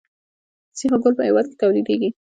سیخ ګول په هیواد کې تولیدیږي